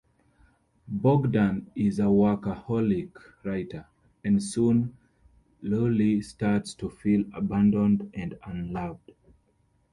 Bogdan is a workaholic writer, and soon Luli starts to feel abandoned and unloved.